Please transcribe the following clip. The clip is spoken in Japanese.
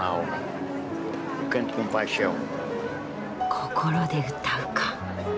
「心で歌う」か。